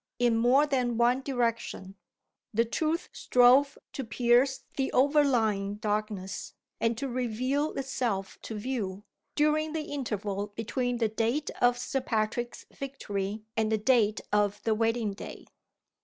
In more than one direction, the truth strove to pierce the overlying darkness, and to reveal itself to view, during the interval between the date of Sir Patrick's victory and the date of the wedding day.